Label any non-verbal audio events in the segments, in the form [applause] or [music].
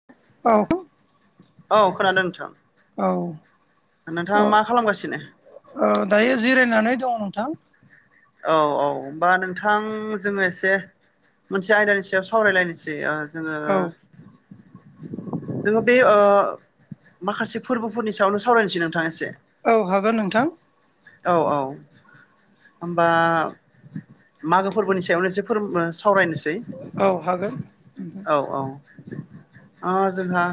[inaudible] औ [unintelligible] औ खोनादों नोंथां औ नोंथाङा अ मा खालामगासिनो ओ दायो जिरायनानै दङ नोंथां औ औ होमबा नोंथां जोङो एसे मोनसे आयदानि सायाव सावरायलायनोसै जोंङो औ जोङो बे माखासे फोरबोफोरनि सायावनो सावरायनोसै नोंथां एसे औ हागोन नोंथां औ औ होमबा मागो फोरबोनि सायावनो एसे फोर सावरायनोसै औ हागोन नोंथां औ औ जोंहा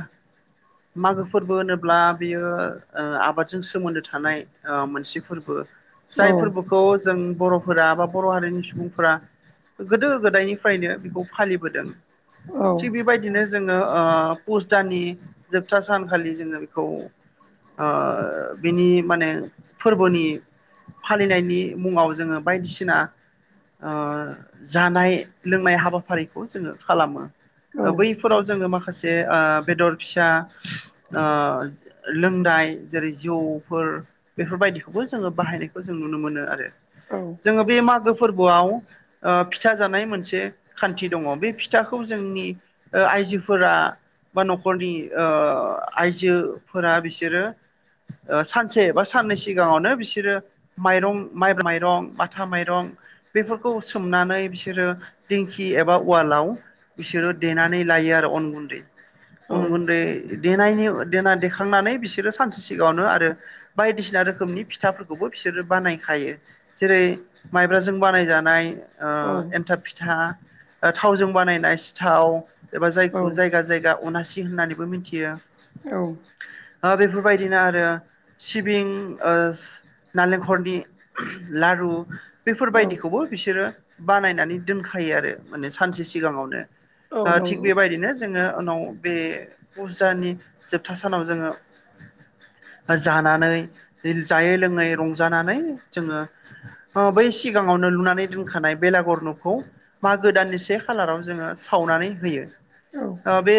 मागो फोरबो होनोब्ला बेयो आबादजों सोमोन्दो थानाय मोनसे फोरबो औ जाय फोरबोखौ जों बर'फोरा बा बर' हारिनि सुबुंफोरा गोदो गोदायनिफ्रायनो बेखौ फालिबोदों औ औ थिग बेबायदिनो जोङो पुस दाननि जोबथा सानखालि जोङो बिखौ बिनि माने फोरबोनि फालिनायनि मुङाव जोङो बायदिसिना जानाय लोंनाय हाबाफारिखौ जोङो खालामो बै औ फोराव जोङो माखासे बेदर फिसा लोंनाय जेरै जौफोर बेफोरबायदिखौबो जोङो बाहायनायखौ जों नुनो मोनो आरो औ जोङो बे मागो फोरबोआव फिथा जानाय मोनसे खान्थि दङ बे फि थाखौ जोंनि आइजोफोरा बा न'खरनि आइजोफोरा बिसोरो सानसे बा साननै सिगाङावनो बिसोरो माइरं माइब्रा माइरं माथा माइरं बेफोरखौ सोमनानै बिसोरो दिंखि एबा उवालाव बिसोरो देनानै लायो आरो अन गुन्दै अन गुन्दै देनायनि देना देखांनानै बिसोरो सानसे सिगाङावनो आरो बायदिसिना रोखोमनि फिथाफोरखौबो बिसोरो बानायखायो जेरै माइब्राजों बानायजानाय एन्थाब फिथा थावजों बानायनाय सिथाव एबा जायखौ जायगा जाय जाय दा अनासि होननानैबो मिथियो औ बेफोरबायदिनो आरो सिबिं नालेंखरनि लारु औ बेफोरबायदिखौबो बिसोरो बानायनानै दोनखायो आरो माने सानसे सिगाङावनो औ थिग नंगौ बेबायदिनो जोङो उनाव बे फुजानि जोबथा सानाव जोंङो जानानै जायै लोङै रंजानानै जोङो बै सिगाङावनो लुनानै दोनखानाय बेलागुर नखौ मागो दाननि से खालाराव जोङो सावनानै होयो औ बे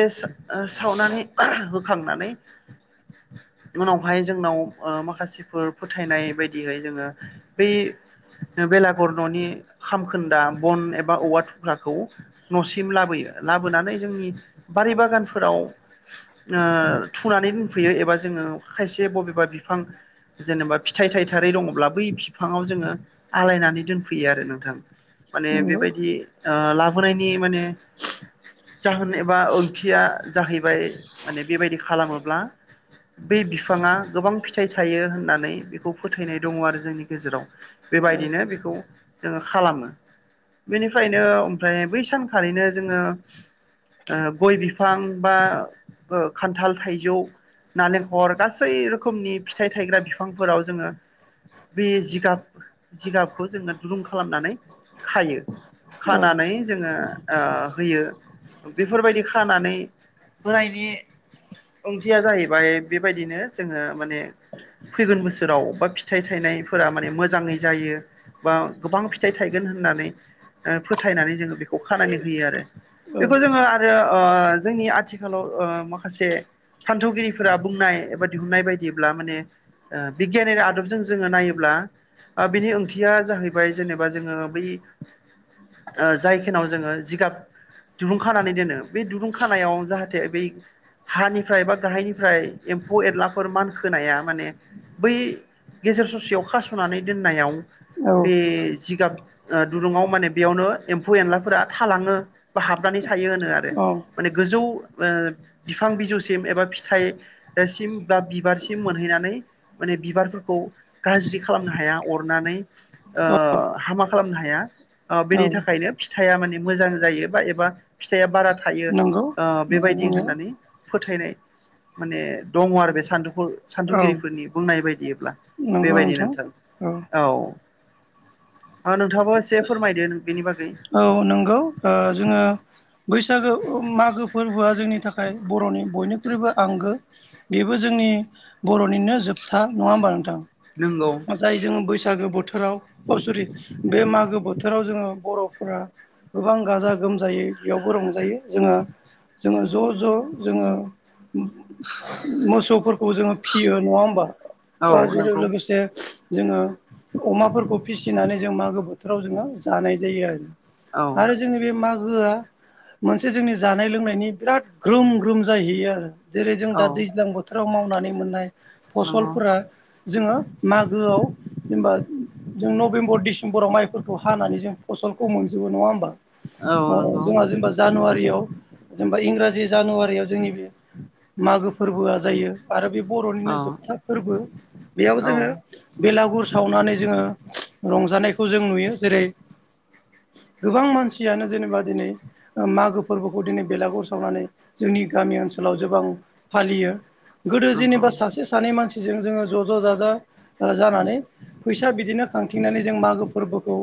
सावनानै होखांनानै उनावहाय जोंनाव माखासेफोर फोथायनाय बायदिहाय जोङो बै बेलागुर न'नि खामखोन्दा बन एबा औवा थुख्राखौ न'सिम लाबोयो लाबोनानै जोंनि बारि बागानफोराव थुनानै दोनफैयो एबा जोङो खायसेया बबेबा बिफां जेनेबा फिथाइ थाइथारै दङब्ला बै बिफाङाव जोङो आलायनानै दोनफैयो आरो नोंथां माने नंगौ बेबायदि ओ लाबोनाय नि माने जाहोन एबा ओंथिया जाहैबाय माने बेबायदि खालामोब्ला बे बिफाङा गोबां फिथाइ थायो होननानै बेखौ फोथायनाय दङ आरो जोंनि गेजेराव औ बेबायदिनो बेखौ जोङो खालामो बेनिफ्रायनो ओमफ्राय बै सानखालिनो जोङो ओ गय बिफां बा खान्थाल थाइजौ नालेंखर गासै रोखोमनि फिथाइ थायग्रा बिफांफोराव जोङो बे जिगाब जिगाबखौ जोङो दुरुं खालामनानै खायो औ खानानै जोङो ओ होयो बेफोरबायदि खानानै होनायनि ओंथिया जाहैबाय बेबायदिनो जोङो माने फैगोन बोसोराव बा फिथाइ थायनायफोरा माने मोजाङै जायो बा गोबां फिथाइ थायगोन होननानै फोथायनानै जोङो बेखौ खानानै होयो आरो बेखौ जोङो आरो ओ जोंनि आथिखालाव ओ माखासे सान्थौगिरिफोरा बुंनाय एबा दिहुननाय बायदिब्ला माने ओ बिगियाननि आदबजों जोङो नायोब्ला ओ बिनि ओंथिया जाहैबाय जेनेबा जोङो बै ओ जाय खिनाव जोङो जिगाब दुरुं खानानै दोनो बे दुरुं खानायाव जाहाथे बै हानिफ्राय बा गाहायनिफ्राय एम्फौ एरलाफोर मानखोनाया माने बै गेजेर ससेयाव खासनानै दोननायाव औ बे जिगाब दुरुङाव माने बेयावनो एम फु एनलाफोरा थालाङो बा हाबनानै थायो होनो आरो औ माने गोजौ ओ बिफां बिजौसिम एबा फिथाइ सिम बा बिबारसिम मोनहैनानै माने बिबारफोरखौ गाज्रि खालामनो हाया अरनानै ओ हामा खालामनो हाया ओ औ बेनि थाखायनो फिथाया माने मोजां जायो बा एबा फिथाया बारा थायो नंगौ ओ नोंथां बेबायदि बुंनाया होननानै फोथायनाय माने दङ आरो बे सान्दु औ सान्थौगिरिफोरनि बुंनाय बायदिब्ला बेबायदि नोंथां औ नोंथाङाबो एसे फोरमायदो बेनि बागै औ नंगौ ओ जोङो बैसागो मागो फोरबोआ जोंनि था जाय बर'नि बयनिख्रुइबो आंगो बेबो जोंनि बर'निनो जोबथा नङा होमबा नोंथां नंगौ जाय जोङो बैसागो बोथोराव अ सरि बे मागो बोथोराव जोङो बर'फोरा गोबां गाजा गोमजायै बेयावबो रंजायो जोङो जोङो ज' ज' जोङो मोसौफोरखौ जोङो फियो नङा होमबा औ अ [unintelligible] नंगौ लोगोसे जोङो अमाफोरखौ फिसिनानै जों मागो बोथोराव जोङो जानाय जायो आरो औ आरो जोंनि बे मागोआ मोनसे जोंनि जानाय लोंनायनि बिराद ग्रोम ग्रोम जाहैयो आरो जेरै जों औ दा दैज्लां बोथोराव मावनानै मोननाय नंगौ फसलफोरा जोङो मागोआव जेनबा जों नभेम्बर डिसेम्बराव माइफोरखौ हानानै जों फसलखौ मोनजोबो नङा होमबा औ अ नंगौ जोंहा जेनबा जानुवारियाव जेनेबा इंराजि जानुवारियाव जोंनि बे मागो फोरबोआ जायो आरो बे बर'निनो औ जोबथा फोरबो बेयाव औ जोङो बेलागुर सावनानै जोङो रंजानायखौ जों नुयो जेरै गोबां मानसियानो जेनेबा दिनै मागो फोरबोखौ दिनै बेलागुर सावनानै जोंनि गामि ओनसोलाव गोबां फालियो गोदो नंगौ जेनेबा सासे सानै मानसिजों जोङो ज' ज' जाजा ओ जानानै फैसा बिदिनो खांथिंनानै जों मागो फोरबोखौ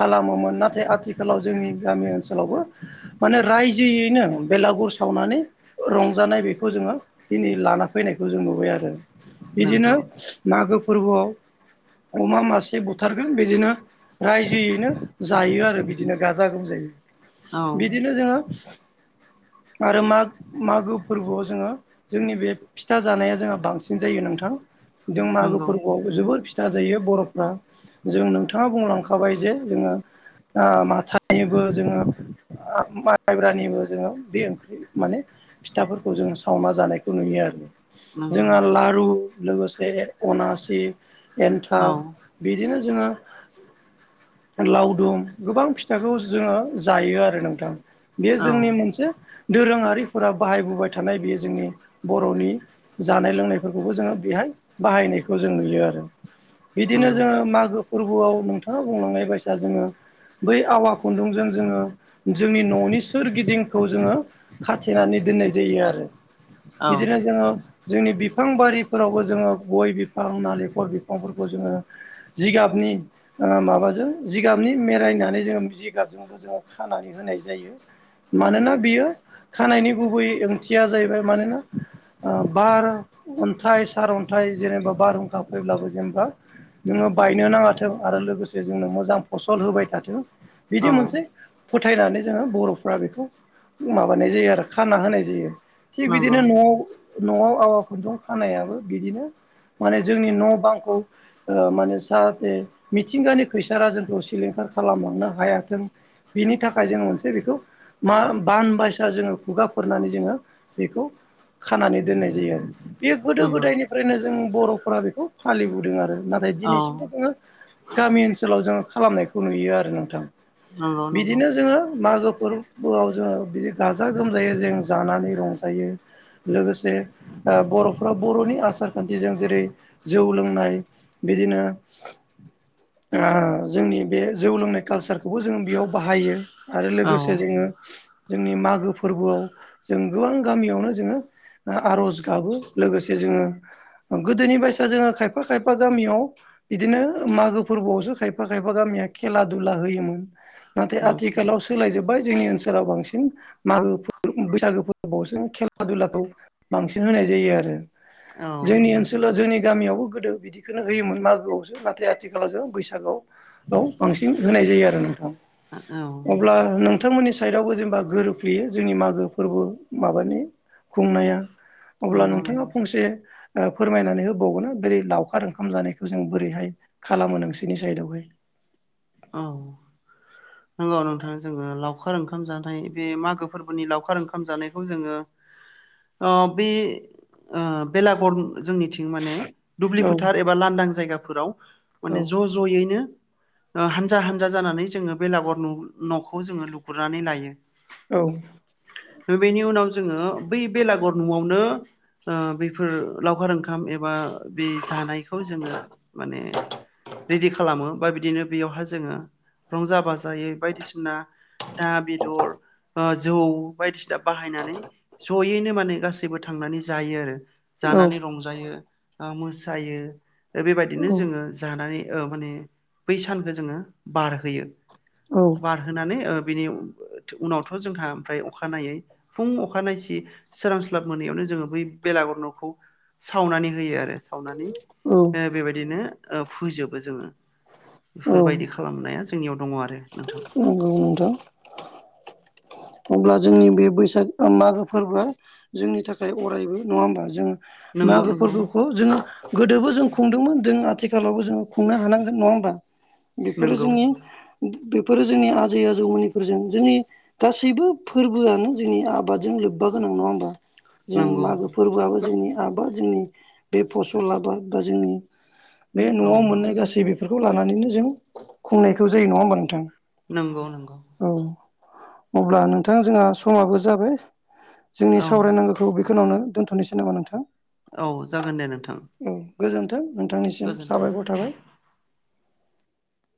खालामोमोन नाथाय आथिखालाव जोंनि गामि ओनसोलावबो माने रायजोयैनो बेलागुर सावनानै रंजानाय बेखौ जोङो दिनै लाना फैनायखौ जों नुबाय आरो बिदिनो नंगौ मागो फोरबोआव अमा मासे बुथारगोन बिदिनो रायजोयैनो जायो आरो बिदिनो गाजा गोमजायै औ बिदिनो जोङो आरो माग मागो फोरबोआव जोङो जोंनि बे फिथा जानाया जोंहा बांसिन जायो नोंथां जों मागो नंगौ वाव जोबोर फिथा जायो बर'फ्रा जों नोंथाङा बुंलांखाबाय जे जोङो आ माथानिबो जोङो माइब्रानिबो जोङो बे ओंख्रि माने फिथाफोरखौ जोङो सावना जानायखौ नुयो आरो नंगौ जोंहा लारु लोगोसे अनासि औ एन्थाब बिदिनो जोङो लावदुम गोबां फिथाखौ जोङो जायो आरो नोंथां बेयो औ जोंनि मोनसे दोरोङारिफोरा बाहायबोबाय थानाय बेयो जोंनि बर'नि जानाय लोंनायफोरखौबो जोङो बेहाय बाहायनाय खौ जों नुयो आरो बिदिनो नंगौ जोङो मागो फोरबोआव नोंथाङा बुंलांनाय बायसा जोङो बै आवा खुन्दुंजों जोङो जोंनि न'नि सोरगिदिंखौ जोङो खाथेनानै दोननाय जायो आरो औ बिदिनो जोङो जोंनि बिफां बारिफोरावबो जोङो गय बि फां नालेखर बिफांफोरखौ जोङो जिगाबनि ओ माबाजों जिगाबनि मेरायनानै जोंङो जिगाबजों जोंङो खानानै होनाय जायो मानोना बेयो खानायनि गुबै ओंथिया जाहैबाय मानोना ओ बार अन्थाइ सार अन्थाइ जेनेबा बारहुंखा फैब्लाबो जेनेबा नोंङो बायनो नाङाथों आरो लोगोसे जोंनो मोजां फसल होबाय थाथों बिदि औ मोनसे फोथायनानै जोंङो बर'फ्रा बेखौ माबानाय जायो आरो खाना होनाय जायो थिग बिदिनो नंगौ न'आव न'आव आबा खुन्दुं खानायाबो बिदिनो माने जोंनि न' बांखौ ओ माने जाहाथे मिथिंगानि खैसारा जोंखौ सिलिंखार खालामलांनो हायाथों बिनि थाखाय जोंङो मोनसे बेखौ मा बान बायसा जोंङो खुगाफोरनानै जोंङो बेखौ खानानै दोननाय जायो आरो बे गोदो नंगौ गोदायनिफ्रायनो जों बर'फोरा बेखौ फालिबोदों आरो नाथाय औ दिनैसिमबो जोङो गामि ओनसोलाव जोङो खालामनायखौ नुयो आरो नोंथां नंगौ नंगौ बिदिनो जोङो मागो फोरबोआव जोङो बिदि गाजा गोमजायै जों जानानै रंजायो लोगोसे आ बर'फ्रा बर'नि आसार खान थिजों जेरै जौ लोंनाय बिदिनो जोंनि बे जौ लोंनाय कालसारखौबो जों बेयाव बाहायो आरो औ लोगोसे जोंङो जोंनि मागो फोरबोआव जों गोबां गामियावनो जोंङो आर'ज गाबो लोगोसे जोंङो गोदोनि बायसा जोंङो खायफा खायफा गामियाव इदिनो मागो फोरबोआवसो खायफा खायफा गामिया खेला दुला होयोमोन नाथाय नंगौ आथिखालाव सोलायजोब्बाय जोंनि ओनसोलाव बांसिन मागो बैसागो फोरबोआवसो खेला दुलाखौ बांसिन होनाय जायो आरो औ जोंनि नंगौ ओनसोलाव जोंनि गामियावबो गोदो बिदिखौनो होयोमोन मागोआवसो नाथाय आथिखालाव जों बैसागुआव याव बांसिन होनाय जायो आरो नोंथां औ अब्ला नोंथांमोननि साइडआवबो जेनेबा गोरोबफ्लेयो जोंनि मागो फोरबो माबानि खुंनाया अब्ला नंगौ नोंथाङा नंगौ फंसे फोरमायनानै होबावगोना बोरै लावखार ओंखाम जानायखौ जों बोरैहाय खालामो नोंसोरनि साइदआवहाय औ नंगौ नोंथां जोंङो लावखार ओंखाम जानाय बे मागो फोरबोनि लावखार ओंखाम जानायखौ जोंङो अ बे बेलागर जोंनि माने दुब्लि औ फोथार एबा लांदां जायगाफोराव औ माने ज' ज'यैनो हानजा हानजा जानानै जोङो बेलागर न'खौ जोंङो लुग्रुनानै लायो औ बेनि उनाव जोंङो बै बेलागर न'आवनो बेफोर लावखार ओंखाम एबा बे जानायखौ जोंङो माने रेडि खालामो बा बिदिनो बेयाव जा जोङो रंजा बाजायै बायदिसिना ना बेदर जौ बायदिसिना बाहायनानै जयैनो माने गासैबो थांनानै जायो आरो औ जानानै रंजायो मोसायो बेबायदिनो जोंङो जानानै माने बै सानखो जोङो बारहोयो औ बारहोनानै बिनि उनावथ' जोंहा ओमफ्राय अखानायै फुं अखानायसि सोरांस्लाब मोनैयावनो जोङो बै बेलागर न'खौ सावनानै होयो आरो सावनानै औ बेबायदिनो फोजोबो जोङो औ बेफोरबायदि खालामनाया जोंनियाव दङ आरो नोंथां नंगौ नोंथां अब्ला जोंनि बे बैसाग मागो फोरबोआ जोंनि थाखाय अरायबो नंङा होमबा जोंङो नंगौ मागो नंगौ फोरबोखौ जोङो गोदोबो जों खुंदोंमोन जों आथिखालावबो जोङो खुंनो हानांगोन नङा होमबा बेफोरो नंगौ जोंनि बेफोरो जोंनि आजै आजौमोननिफोरजों जोंनि गासैबो फोरबोआनो जोंनि आबादजों लोब्बा गोनां नङा होमबा जों नंगौ मागो फोरबोआबो जोंनि आबाद जोंनि बे फसल आबाद बा जोंनि बे औ न'आव मोननाय गासै बेफोरखौ लानानैनो जों खुंनायखौ जायो नङा होमबा नोंथां नंगौ नंगौ औ अब्ला नोंथां जोंहा समाबो जाबाय जोंनि औ सावरायनांगौ खौ बेखिनियावनो दोनथ'नोसै नामा नोंथां औ जागोन दे नोंथां औ गोजोन्थों नोंथांनिसिम गोजोन्थों साबायखर थाबाय